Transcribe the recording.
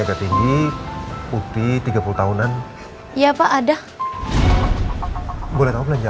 beli apa ya buat rena